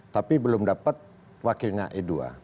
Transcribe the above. tapi belum dapat wakilnya e dua